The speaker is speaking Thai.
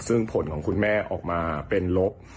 ซึ่งผลของคุณแม่ออกมาเป็นลบ